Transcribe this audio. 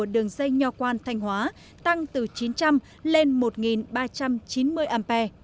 đường dây nhỏ quan thanh hóa tăng từ chín trăm linh lên một ba trăm chín mươi a